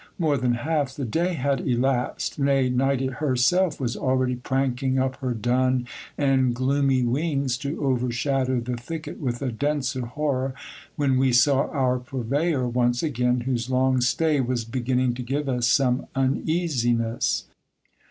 More than half the day had elapsed ; nay, night herself was already pranking up her dun and gloomy wings, to overshadow the thicket with a denser horror, when we saw our purveyor once again, whose long stay was begin ning to give us some uneasiness.